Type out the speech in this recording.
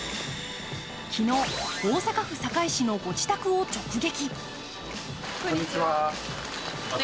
昨日、大阪府堺市のご自宅を直撃。